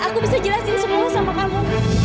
aku bisa jelasin semua sama kamu